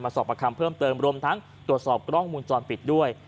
สอบประคำเพิ่มเติมรวมทั้งตรวจสอบกล้องมุมจรปิดด้วย